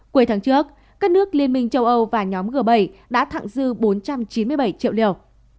cuối tháng trước các nước liên minh châu âu và nhóm g bảy đã thẳng dư bốn trăm chín mươi bảy triệu liều